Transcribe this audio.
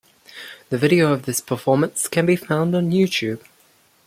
The video of this performance can be found on YouTube.